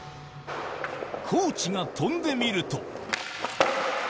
コーチが跳んでみると。